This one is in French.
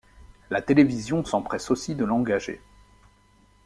La télévision s'empresse aussi de l'engager.